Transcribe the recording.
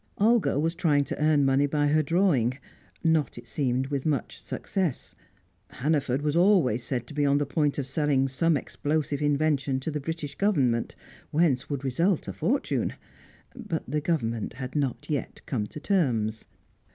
Olga was trying to earn money by her drawing, not, it seemed, with much success. Hannaford was always said to be on the point of selling some explosive invention to the British Government, whence would result a fortune; but the Government had not yet come to terms.